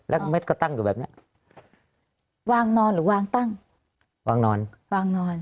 แล้วเม็ดก็ตั้งอยู่แบบเนี้ยวางนอนหรือวางตั้งวางนอนวางนอน